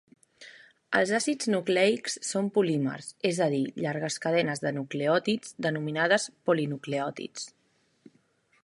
Els àcids nucleics són polímers, és a dir, llargues cadenes de nucleòtids denominades polinucleòtids.